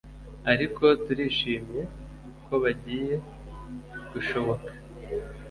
ariko turishyimye ko bigiye gushoboka